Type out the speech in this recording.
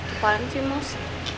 apaan sih mus